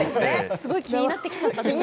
すごい気になってきちゃった。